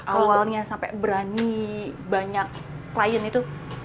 awalnya sampai berani banyak klien itu